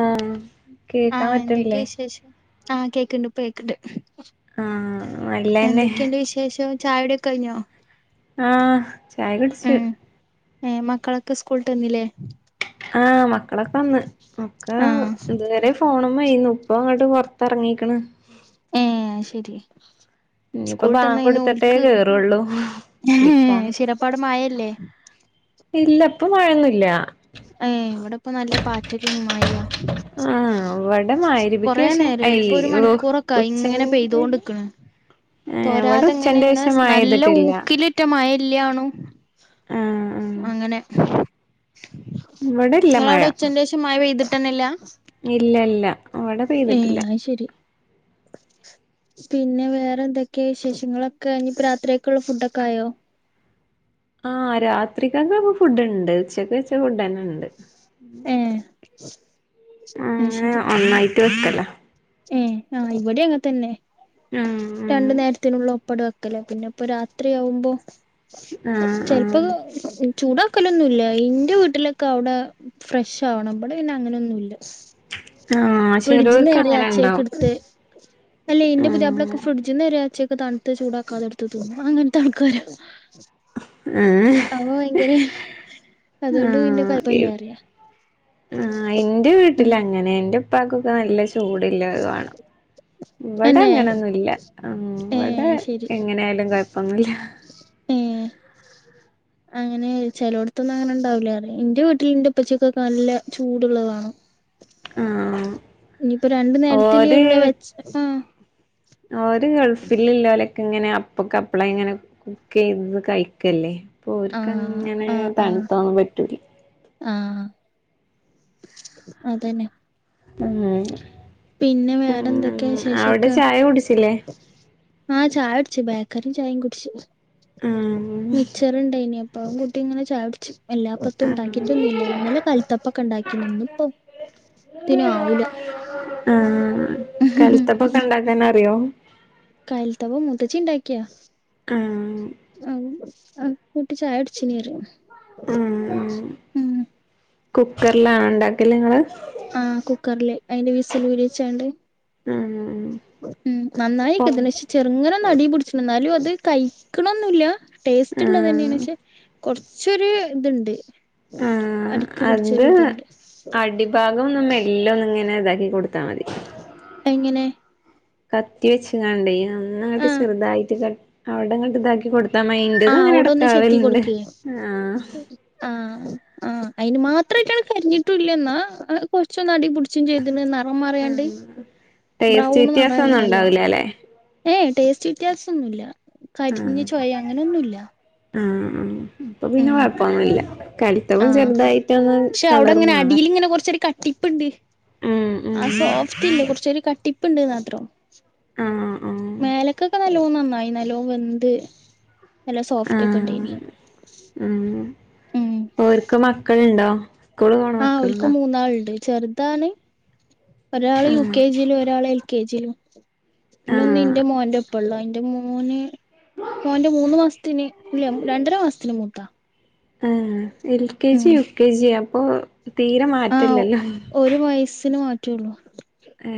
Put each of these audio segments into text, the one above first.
ആഹ് കേക്കാൻ ആഹ എന്തൊക്കെയ പറ്റണില്ലേ വിശേഷം ആഹ കേക്കണ്ട് ഇപ്പ കേക്കണ്ട് ആഹ് നല്ലന്നെ എന്തൊക്കെയണ്ട് വിശേ ശേഷം ചായ കുടി കഴിഞ്ഞോ ആഹ ചായ കുടിച്ച് ഉംമക്കളൊക്കെ സ്കൂളിട്ട് വന്നില്ലേ ആഹ മക്കളൊക്കെ വന്ന് മക്കെ ആഹ് ഇതുവരെ ഫോണ് മയ്ന്നുഇപ്പ അങ്ങോട്ട് പുറത്തിറങ്ങിക്ക്ണ് ഏ ശരി ഇയിപ്പൊ ബാങ്ക്കൊടുത്തിട്ടേ കേറുള്ളൂ ഉ കുളിക്കാനൊക്കെ ശരി അപ്പവിടെമഴയില്ലേ ഇല്ല ഇപ്പൊ മഴൊന്നുല്ല ഉം ഇപ്പവിടെ നല്ല പാറ്റലും മഴയാ ആഹ് ഇവിടെ മഗ്‌രിബിക്ക് കൊറെ ശേഷം നേരായി ഇപ്പൊ അയ് ഒരു ഓ മണിക്കൂറൊക്കെയി ഇങ്ങനെ ഉച്ചന്റെ പെയിതുകൊണ്ടാക്കണ് ഏഹ് ഇവിടെ ഉച്ചന്റെ തൊരാതെങ്ങനൊ ശേഷം മഴ നല്ല പെയ്തിട്ടില്ല ഊക്കില് മഴയില്ലാണു ആഹ് ആഹ് അങ്ങനെ ഇവിടില്ല മഴ നിങ്ങളവിടെ ഉച്ചൻ്റെ ഷം മഴ പെയ്തിട്ട ന്നെല്ല ഇല്ല ഇല്ല ഇവിടെ പെയ്തിട്ടില്ല ശരി പിന്നെ വേറെ എന്തൊക്കെയ വിശേഷങ്ങളൊക്കെ ഇനി രാത്രിയൊക്കെയള്ള ഫുഡ ഒക്കെ ആയോ ആ് രാത്രിക്കക്കെപ്പ ഫുഡ് ഉണ്ട് ഉച്ചക്ക് ഉച്ച ഫുഡ് ന്നെ ഉണ്ട് ഏഹ അങ്ങന ഒന്നായിട്ട് വെക്കല്ല ഏ ആഹ് ഇവിടെ അങ്ങെ തന്നെ ആം രണ്ടു നേരത്തിനുള്ള ഒപ്പട വെക്കലേ പിന്നെ ഇപ്പൊ രാത്രിയാവുമ്പോ ആഹ് ആഹ് ചെല്പക്കെ ചൂടാക്കലൊന്നുംല്ല എന്റെ വീട്ടിലൊക്കെ അവിടെ ഫ്രഷ് ആവണം ഇവിടെ പിന്നെ അങ്ങനെൊന്നുംല്ല ആഹ് ഫ്രിഡ്ജ്ന്ന് ചെലോർക്ക് നേരെ അങ്ങനെ അച്ചയ്ക്ക് ഉണ്ടാവും എടുത്ത് അല്ലയ് ഇന്റെ ഉം പുതിയാ ഫ്രിഡിജിന്ന് വരെ അച്ചയ്ക്കെ തണ്ത്ത് ചൂടാക്കാതെടുത്ത് തിന്നും അങ്ങൻ ത്തെ ആൾക്കരാ ഏഹ് അപൊ ഭയങ്കര അതുകൊണ്ട് പിന്നെ കൊഴപ്പല്ലാന്ന് പറയ ആ എന്റെ വീട്ടിലാ ങ്ങനെ ഇപ്പക്കൊക്കെ നല്ല ചൂട്ല്ലത് വാണം ഇവിടെ തന്നെ അങ്ങനെന്നുല്ല ഏ ഇവിടെ ശരി എങ്ങനെയായാലും കൊഴപ്പമൊന്നുല്ല ഉം അങ്ങനെ ചെിലവിടത്തൊന്നും അങ്ങനെ ചെലോടത്തൊന്നും അങ്ങനെഉണ്ടാവില്ല എന്റെ വീട്ടിൽ ഇന്റെ ഇപ്പച്ചിക്കൊക്കെ നല്ല ചൂടുള്ളത് വേണം ആ ഇനിഞ്ഞിപ്പോ രണ്ടു നേരത്തിനെ ഉള്ള വെച്ച ആ ഓര് ഗൾഫിൽ ഇല്ലലൊക്കെ ഇങ്ങനെ അപ്പകപ്പളെ ഇങ്ങനെ കുക്ക് ചെയ്ത് കഴിക്കല്ലേ അപ്പൊ ഓർക്ക് ആഹ് അങ്ങനെ ആഹ് ആഹ് തണുത്ത തൊന്നും പറ്റൂല ആഹ് അതന്നെ പിന്നെ വേറെ ഉംഅവിടെ ചായ കുടിച്ചില്ലേ ആചായ കുടിച്ചു ബേക്കറിം ചായിം കുടിച്ചു ആഹ് മിച്ചർ ഉണ്ടായിനി അപ്പം അതും കൂട്ടി ഇങ്ങനെ ചായ കുടിച്ചു എല്ല ഇപ്പത്ത് ഉണ്ടാക്കിയിട്ടൊന്നുല്ല ഇന്നലെ കൽത്തപ്പൊക്കെ ഇണ്ടാക്കി നിന്നും ഇപ്പൊ ആ കലത്തപ്പൊക്കെ ഇണ്ടാക്കാൻ അറിയോ കലത്തപ്പം മൂത്തച്ചി ഇണ്ടാക്കിയ ആഹ് അഹ ആ കൂട്ടി ചായ കുടിച്ചീന്നി പറയാ അ ആ കുക്കറിലാണോ ഇണ്ടാക്കല് നിങ്ങള് ആഹ് കുക്കറില് അയിന്റെ വിസില് ഊരെച്ചാണ്ട് ഉം ഉം പൊങ് നന്നായിക്കത്തിനെ പക്ഷെ ചെറുങ്ങനെഒന്ന് അടി പിടിച്ചിണ് എന്നാലും അത് കഴിക്കണൊന്നുല്ല ടേസ്റ്റ് ഉള്ളത് ആഹ് തന്നെയാണ് പക്ഷെ കൊറച്ചൊരു ഇത്ണ്ട് ആഹ് അത് അടിഭാഗം മെല്ലെ ഒന്ന് ഇങ്ങനെ ഇതാക്കി കൊടുത്താ മതി എങ്ങനെ കത്തി വെച്ച്കാണ്ട് ഒന്ന്ങ്ങ്ട്ട് ആഹ് ചെറുതായിട്ട് കട്അവിടങ്ങ്ട്ട് ഇതാക്കി കൊടു ത്താ മ ഇൻ്റതും ആഹ് ഇങ്ങനെ അവിടെ ഒന്ന് ചെത്തി എടക്കാവലുണ്ട് കൊടുക്കേ ആഹ് ആഹ് ആഹ് അയിന് മാത്രമായിട്ട് കരിഞ്ഞിട്ടൂല്ല എന്നാ കൊറച്ച്ന്ന അടി പിടിച്ചും ചെയ്തിണ് നിറം മറിയാണ്ട് ആഹ് ടേസ്റ്റ് ബ്രൗൺ നെറംആയിണ് വ്യത്യാസൊന്നും നല്ലോണം ഉണ്ടാവൂലല്ലേ ഏയ് ടേസ്റ്റ് വ്യത്യാസംഒന്നുല്ല കരിഞ്ഞചൊയ അങ്ങനെന്നുല്ല ആഹ്ആഹ് അപ്പൊ പിന്നെ കൊഴപ്പൊന്നുല്ല കരി ആഹ് പക്ഷെ അവിടെങ്ങനെ അടീല്ഇങ്ങനെ കൊറച്ചൊരു കട്ടിപ്പ്ണ്ട് ഉം ഉം ആ സോഫ്റ്റ് ഇല്ല കുറച്ചൊരു കട്ടിപ്പ്ണ്ട്ന്ന് മാത്രം ആഹ് മേലക്കൊക്കെ നല്ലോ നന്നായി നല്ലോ വെന്ത് നല്ല ആഹ് സോഫ്റ്റ് ഒക്കെ ഉണ്ടായിനി ആഹ് ഉം ഓര്ക്ക് മക്കളുണ്ടോ ആഹ് ഓൽക്ക് മൂന്നാളുണ്ട് ചെറ്താണ് ഒരാള് യു ആഹ് കെ ജിയിലും ഒരാൾ എൽ കെ ജിയിലും പിന്നൊന്ന് ആഹ് എന്റെ മോന്റെ ഒപ്പ ഇപ്പള്ള അയിന്റെ മോന് മോന്റെ മൂന്ന് മാസത്തിന് ഇല്ല രണ്ടര മാസത്തിന് മൂത്തതാ ആഹ് L K G U K G അപ്പൊ തീരെ ആ മാറ്റല്ലല്ലോ ഒരു വയസ്സിന് മാറ്റുള്ളൂ ഏ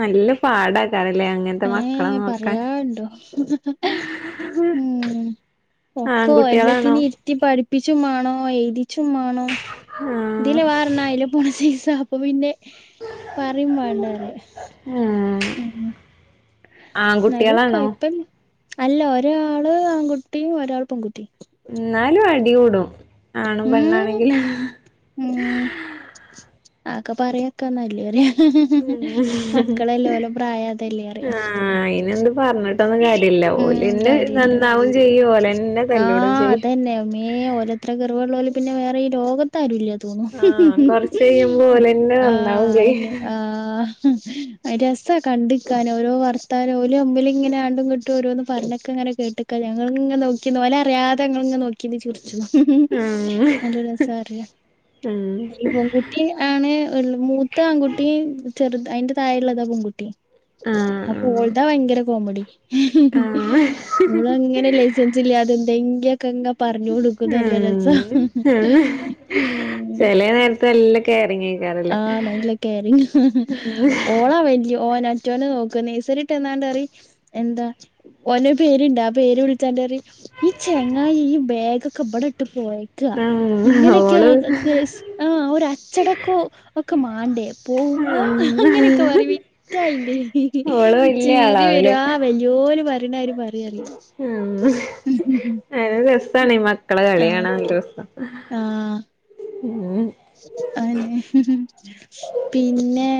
നല്ല പാട ഏ പറയാണ്ടോ ഉം ഒക്കോ ആൺകുട്ടികളാണോ എല്ലത്തിനി ത്തി പഠിപ്പിച്ചും വേണം എഴുതിച്ചും വേണം ആഹ് ഇതില് വേറെ അതിലെ പോണ സൈസാ അപ്പൊ പിന്നെ പറയും വേണ്ടാ പറയും ആ എന്നാലും ആൺകുട്ടളാണോ കൊഴപ്പല്ല അല്ല ഒരാള് ആൺകുട്ടി ഒരാൾ പെൺകുട്ടി എന്നാലും അടി കൂടും ആണും പെണ്ണും ഉം ആണെങ്കി ഉം ആക്കെ പറയൊക്കെ നല്ലേറെ മക്കളല്ലേ ഓലെ പ്രായം അതല്ലേ പറയും ആ അയിനെന്ത് പറഞ്ഞട്ട് ഉം കാര്യല്ല ചെയ്യും ഓലെന്നെ ആ തല്ലൂടും ചെയ്യും അതന്നെ മേ ഒല അത്ര കെറുവുള്ളവള് പിന്നെ വേറെ ഈ ലോക ത്ത് ആരൂല തോന്നും ആഹ് കൊറച്ച് കഴിയുമ്പോ ഓലെന്നെ ആ നന്നാവും എന്നെ ചെയ്യും ആ ഉം രസാ കണ്ട് നിക്കാൻ ഓരോ വർത്താനോം ഓല് തമ്മില് ഇങ്ങനെ രണ്ടും കൂടെ ന്നിട്ട് ഓരോന്ന് പറഞ്ഞൊക്കെ ഇങ്ങനെ കേട്ടിക്ക ഞങ്ങൾ ഇങ്ങനെ നോക്കിന്ന് ഓല് അറിയാതെ ഞങ്ങൾ ഇങ്ങനെ നോക്കിനിന്ന് ചിർ ഉം നല്ല രസാ അറിയാം ഉം അല്ല ഈ പെൺകുട്ടി ആണ് മൂത്ത ആൺകുട്ടി ചെറുത് അതിന്റെ തായെ ഉള്ളതാ പെൺകുട്ടി അപ്പൊ ഓൾടെ ഭയങ്കര കോമഡി ആഹ് മോള് അങ്ങനെ ലൈസൻസ് ഇല്ലാതെ എന്തെങ്കിലൊക്കെ ഇങ്ങ് പറഞ്ഞോണ്ടിരിക്കും നല്ല രസാ ഉം ഉം ചെല നേരത്ത് നല്ല കെയറിങ്ങ് ഏകാരം ല്ലേ ആ നല്ല കെയറിംഗ് ഓളാ വലിയ ഓന മറ്റോനെ നോക്ക് നഴ്സറി വിട്ടന്നാണ്ട് പറി എന്താ ഓനൊരു പേരുണ്ട് ആ പേര് വിളിചാണ്ട് പറി ഈ ചെങ്ങായി ഈ ബേഗൊക്കെ ഇബടെ ഇട്ട് പോയ ക്ക ആഹ് ഇങ്ങനെയൊക്കെ ഓള് ആ ഒരു അച്ചടക്കോം ഒക്കെ മാണ്ടേ പോകുമ്പോ അങ്ങനെയൊക്കെ പറയും വിറ്റായിന്റ് ഓള് വല്യ ചീറി വരു ആളാവുല്ലേ ആഹ് വല്ല്യോല് പറയണരി പറി ഉം നല്ല രസണ് ഈ മക്കളെ കളി ആഹ് കാണാൻ നല്ല രസ ആഹ് ഉം ആന്നെ പിന്നെ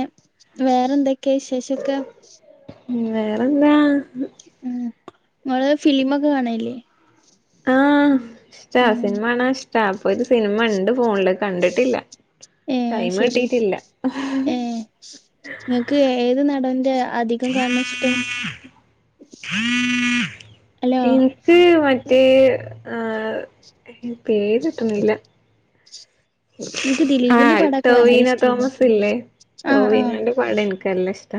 വേറെന്തൊക്കെയാ വിശേഷം ഒക്കെ ഉം വേറെന്താ ഉം ഇങ്ങള് ഫിലിമൊക്കെ കാണല്ലേ ആഹ് ഇഷ്ടാ ഉം സിനിമ കാണാൻ ഇഷ്ടാ ഇപ്പൊ ഒരു സിനിമ ഇണ്ട് ഫോണില് കണ്ടിട്ടില്ല ഏഹ് ടൈമ് ശരി കിട്ടിയിട്ടില്ല ഏഹ് ഇങ്ങക്ക് ഏത് നടന്റെ അധികം കാണണ ഇഷ്ടം ഹലോ ക്ക് മറ്റേ ആ പേര് കിട്ടുന്നില്ല ഇൻക്ക് ദി ആ ടൊവീനോ തോമസ് ഇല്ലേ ആഹ് ആഹ് ടൊവീനോന്റെ പടം എനിക്ക് നല്ല ഇഷ്ടാ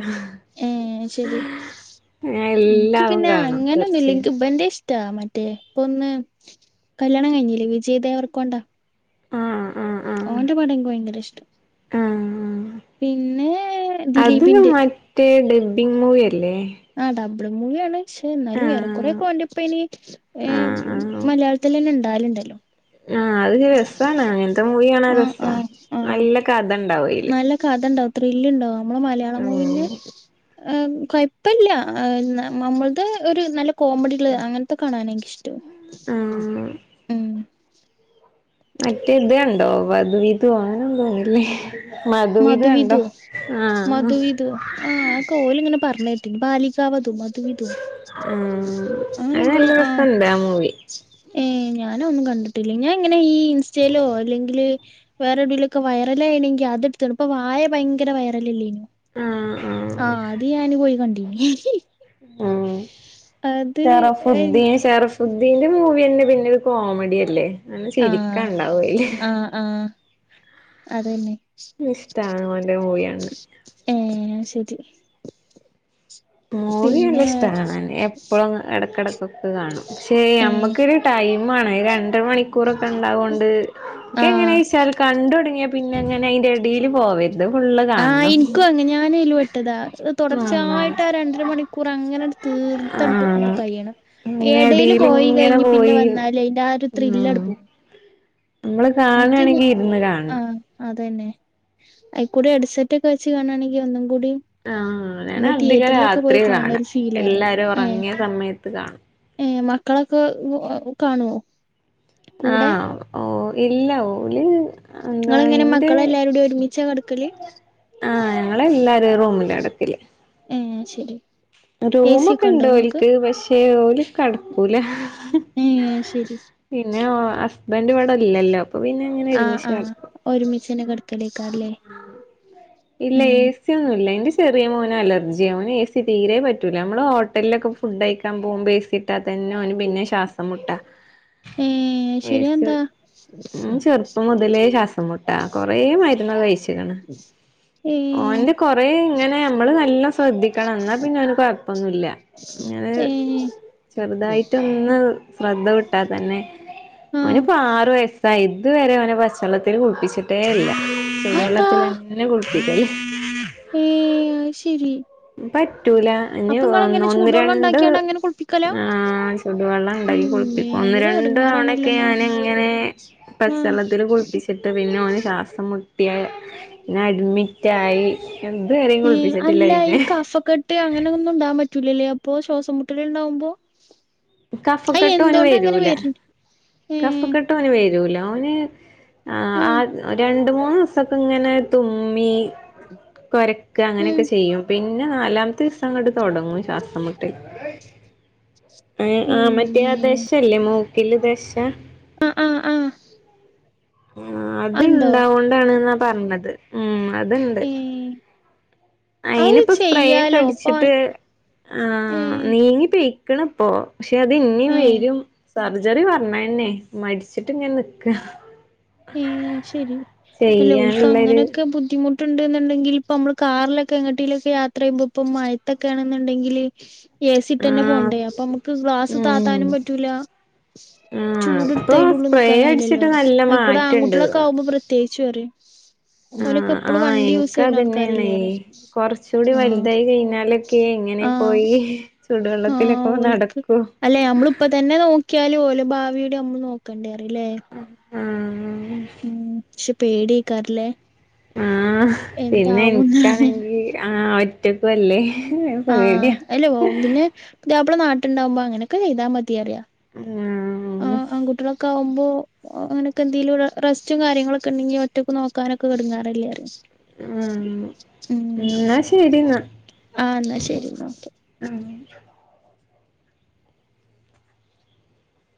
ഏഹ് ശരി ഞാൻ എക്ക് എല്ലാതും പിന്നെ കാണും അങ്ങനെ സെർച്ച് ഒന്നൂല്ല ചെയ്യ എനക്ക് ഇവന്റേ ഇഷ് ടാ മറ്റേ ഇപ്പൊ ഒന്ന് കല്യാണം കഴിഞ്ഞില്ലേ വിജയ് ദേവർക്കൊണ്ടാ ആഹ് ഓന്റെ പടം എനിക്ക് ഭയങ്കര ഇഷ്ടാ ആ ആ അത് ദിലീപിന്റെ മ റ്റേ ഡബ്ബിങ് മൂവി അല്ലേ ആ ഡബിള് മൂവിയാണ് പക്ഷെ എന്നാലും ആഹ് ഏറെക്കുറേക്കെ ഓന്റെ ഇപ്പനി ഏഹ് ആഹ് മലയാളത്തില്ന്നെ ഉണ്ടാവലുണ്ടല്ലോ ആ അത് രസണ് അങ്ങനത്തെ മൂവി കാണാൻ ആഹ് രസമാ ആഹ് ആഹ് നല്ല കഥ ഉണ്ടാവും അയില് നല്ല കഥ ഉണ്ടാവും ത്രില്ല് ഉണ്ടാവും നമ്മള് മലയാളം മൂവീന്റെ ഉം ആഹ് കൊയപ്പവില്ല നമ്മളടത് ഒരു നല്ല കോമഡികള് അങ്ങനത്തെ കാണാനെനിക്ക് ഉം ഉം മറ്റേ ഇത് കണ്ടോ മധുവിധു അങ്ങനെ എന്തോ അല്ലെ മധുവിധു കണ്ടോ ആഹ് മധുവിധു ആഹ് ഓല് ഇങ്ങനെ പറഞ്ഞ കേട്ടിനു ബാലികാവധു മധുവിധു ആഹ് അത് അങ്ങനെന്തോ നല്ല ആഹ് രസണ്ട് ആ മൂവി ഏഹ് ഞാൻ ഒന്നും കണ്ടിട്ടില്ല ഞാ ഇങ്ങനെ ഈ ഇൻസ്റ്റയിലോ അല്ലെങ്കില് വേറെ എവിടെലൊക്കെ വൈറൽ ആയിണെങ്കിൽ അത് എടുത്തു കാണും ഇപ്പൊ വാഴ ഭയങ്കര വൈറൽ ഇല്ലനോ ആഹ് ആഹ് ആഹ് അത് ഞാനും പോയി കണ്ടീന് ഉം ശറഫുദീൻ ശറ സുദ്ധീന്റെ മൂവി തന്നെ പിന്നെ ഒരു കോമഡി അല്ലേ നല്ല ആഹ് ചിരിക്ക ഉണ്ടാവും അയില് ആഹ് ആഹ് അതന്നെ ഇഷ്ടാണ് ഓന്റെ മൂവി കാണാൻ ഏഹ് അത് ശരി മൂവി നല്ല പിന്നെ വേ ഇഷ്ട കാണാന് എപ്പോഴും ഇടക്കിടക്കൊക്കെ കാണും പക്ഷെ ഏഹ് നമ്മുക്കൊരു ടൈം ആണ് രണ്ടര മണിക്കൂറൊക്കെ ഉണ്ടാവോണ്ട് ഒക്കെ ആഹ് എങ്ങനെയാച്ചാല് കണ്ടു തുടങ്ങിയാൽ പിന്നെ അങ്ങനെ അതിന്റെ ഇടിയില് പോവ ഇത് ഫുൾ ആഹ് എനിക്കും അങ്ങനാ ഞാനതിൽ പെട്ടതാ തുടർച്ചയായിട്ട് ആഹ് രണ്ടര മണിക്കൂ കുറെ അങ്ങനെടുതീർത്തടുത്ത് ആഹ് കഴിയണം ഇങ്ങനെ ഇടയിൽ എടീൽ പോയി ഇങ്ങനെ കഴിഞ്ഞ് പിന്നെ പോയി വന്നാല് അതിന്റെ ആഹ് ഒരു ത്രിൽ ഉം അങ്ങട് പോവും നമ്മള് മറ്റേ കാണാണെങ്കി ഇരുന്ന് കാണണം ആഹ് അതെന്നെ കൂടെ ഹെഡ്സെറ്റ് ഒക്കെ വെച്ച് കാണയാണെങ്കിൽ ഒന്നും കൂടി ആഹ് ഞാൻ നമ്മള് അധികം തിയേറ്ററിലൊക്കെ പോയി രാത്രി കാണാ കാണണൊരു ഫീൽ അറിയാം എല്ലാരും ഏഹ് ഉറങ്ങിയ സമയത്ത് കാണും ഏഹ് മക്കളൊക്കെ കാണുവോ കൂടെ ആഹ് ഓ ഇല്ല ഓല് എന്താ നിങ്ങളെങ്ങനെ എന്റെ മക്കളെല്ലാരൂടി ഒരുമിച്ചാ കെടക്കല് ആഹ്‌ ഞങ്ങളെല്ല ഒരു റൂമിലാ കിടക്കല് ഏഹ് അത് ശരി എ സി റൂമൊക്കെ ഒക്കെ ഉണ്ടോ ഇണ്ട് ഇങ്ങക്ക് ഓലിക്ക് പക്ഷേ ഓല് കിടക്കൂല ഏഹ് അത് ശരി പിന്നെ ഹസ്ബൻഡ് ഇവിടെ ഇല്ലല്ലോ അപ്പൊ പിന്നെ അങ്ങനെ ആഹ് ഒരുമിച്ച് ആഹ് കിടക്കും ഒരുമിച്ചന്നെ കിടക്കലെക്കാ അല്ലെ ഇല്ല എ സി ഒന്നും ഇല്ല എന്റെ ചെറിയ മോന് അലർജിയാ ഓന് എ സി തീരെ പറ്റൂല്ല നമ്മള് ഹോട്ടലിലൊക്കെ ഫുഡ് കഴിക്കാൻ പോകുമ്പോ എ സി ഇട്ടാൽ തന്നെ അവന് പിന്നെ ശ്വാസം മുട്ടാ ഏഹ് എ സി ശരിയാന്താ ഉം ചെറുപ്പം മുതലേ ശ്വാസം മുട്ടാ കൊറേ മരുന്ന് കഴിച്ചിക്കണ് ഏഹ് ഓന്റെ കൊറെ ഇങ്ങനെ നമ്മള് നല്ല ശ്രദ്ധിക്കണം എന്നാ പിന്നെ അവന് കൊഴപ്പൊന്നൂല്ല ഏഹ് ചെറുതായിട്ട് ഒന്ന് ശ്രദ്ധ വിട്ടാ തന്നെ ആഹ് അവനിപ്പോ ആറു വയസ് സ്സായി ഇത് വരെ അവനെ പച്ചവെള്ളത്തിൽ കുളിപ്പിച്ചിട്ടേ ഇല്ല അതെന്താ ചൂടുവെള്ളത്തിലന്നെ കുളിപ്പിക്കല് ഏഹ് അത് ശരി പറ്റൂല ഇനി അപ്പൊ ഇങ്ങളെങ്ങനെ ഒന്ന് ചൂടുവെള്ളം രണ്ട് ഇണ്ടാക്കിയാണ്ട് അങ്ങനെ കുളിപ്പിക്കലാ ആഹ് ചുടുവെള്ളം ഉണ്ടാക്കി ഇമ്മേ കുളിപ്പിക്കും ഒന്ന് ഭയങ്കര രണ്ട് തവണയൊക്കെ എടങ്ങേറാണല്ലോന്നാ ഞാൻ ഇങ്ങനെ ആഹ് പച്ചത്തില് കുളിപ്പിച്ച ച്ചിട്ട് പിന്നെ അവന് ശ്വാസം മുട്ടിയ പിന്നെ അഡ്മിറ്റ് ആയി അല്ല ഈ കഫക്കെട്ട് അങ്ങനെ ഒന്നും ഉണ്ടാൻ പറ്റൂലല്ലേ അപ്പൊ ശ്വാസം മുട്ടല് ഉണ്ടാവുമ്പോ കഫക്കെട്ട് ഓന് അങ്ങനെ വരൂല വര്ണ് ഏഹ് കഫകെട്ട ട്ടോനു വരൂല ഒന് ആ ആഹ് രണ്ട് മൂന്ന് ദിവസൊക്കെ ഇങ്ങനെ തുമ്മി കൊരക്ക ഉം അങ്ങനെയൊക്കെ ചെയ്യും പിന്നെ നാലാമത്തെ ദിവസം അങ്ങോട്ട് തുടങ്ങും ശ്വാസം മുട്ടല് ഉം ആഹ് മറ്റേ ആ ഇമ്മേ ദശല്ലേ മൂക്കില് ദശ അഹ് ആഹ് ആ ആഹ് അത് അത്ണ്ടോ ഇണ്ടാവോണ്ടാണീന്നാ പർഞ്ഞത് ഉം അത്ണ്ട് ഏഹ് അത് അയ്നിപ്പോ സ്പ്രേ ഒക്കെ ചെയ്യാലോ ഇപ്പൊ അടിച്ചിട്ട് ആഹ് ഏഹ് നീങ്ങി പെയ്ക്ക്ണ്പ്പൊ പക്ഷെ അത് ഇന്യും ഏഹ് വെരും സർജറി പറഞ്ഞെന്നെ മടിച്ചിട്ട്ങ്ങനെ നിക്ക ഏഹ് ശെരി അല്ലെ ചെയ്യാനുള്ളൊരു ഓൽക്കങ്ങനെക്കെ ബുദ്ധിമുട്ട് ട്ടുണ്ട് എന്നുണ്ടെങ്കിൽ ഇപ്പ നമ്മള് കാറിലൊക്കെ എങ്ങട്ടീലൊക്കെ യാത്രയ്യുമ്പോപ്പം മയത്തൊക്കെണ്ന്ന്ണ്ടെങ്കില് എ ആ സിട്ടന്നെ പോണ്ടേ അപ്പൊമ്മക്ക് ഗ്ലാസ് ഉം താത്താനും പറ്റൂല ആ ചൂട്‌ട്ത്ത് ഇപ്പൊ അയ്ന്റൊള്ള് സ്പ്രേ നിക്കാ അടിച്ചിട്ട് കയ്യിലല്ലോറ്യ നല്ല അയ്ക്കൂടെ ആൺകൂട്ട്യാളൊക്ക മാറ്റണ്ട് ആവുമ്പോ പ്രത് ത്യേകിച്ചറിം ആഹ് ആഹ് എൻക്കതന്നെണെ ആൾക്കാരല്ലേ പറയും കൊറച്ചുടി വൽതായി കഴിഞ്ഞാലെ ക്കെ ഇങ്ങനെ ആഹ് പോയി ആഹ് ചുടുവെള്ളത്തിലൊക്കെ ഓൽക്ക് നടക്കും അല്ലെ നമ്മളിപ്പതന്നെ നോക്കിയാലും ഓലെ ഭാവിയുടെമ്മള് നോക്കേണ്ടേറ്യലേ അഹ് ആഹ് ഉം ക്ഷെ പേടേക്കാരലേ ആഹ് പിന്നെ എനിക്കാണെങ്കി ആഹ് ഒറ്റക്കുവല്ലേ ഏഹ് പേട്യ അല്ലഓം പിന്നെ പുത്യാപ്ല നാട്ടുണ്ടാവുമ്പോ അങ്ങനെക്കെ ചെയ്താ മതി അറ്യാ ഉം ആൺകുട്ടളൊക്കെ ആവുമ്പോ ഓം അങ്ങനൊക്കെ എന്തേലും റെസ്റ്റും കാര്യങ്ങളൊക്കെണ്ടെങ്കി ഒറ്റക്ക് നോക്കാനൊക്കെടുങ്ങാറല്ലേ റസ്‌റ്റ് ആഹ് ന്ന ശെരിന്നാ ആഹ് ന്നാ ശെരിന്നാ ഓക്കെ